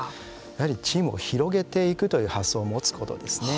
やはりチームを広げていくという発想を持つことですね。